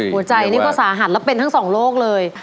หัวใจนี่ก็สาหัสแล้วเป็นทั้งสองโลกเลย